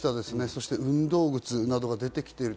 そして運動靴などが出てきている。